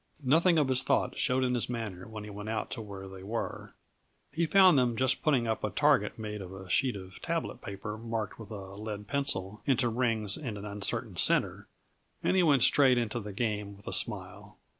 Nothing of his thoughts showed in his manner when he went out to where they were. He found them just putting up a target made of a sheet of tablet paper marked with a lead pencil into rings and an uncertain centre, and he went straight into the game with a smile.